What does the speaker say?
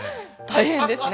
大変ですね。